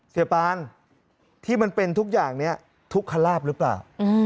ปานที่มันเป็นทุกอย่างนี้ทุกขลาบหรือเปล่า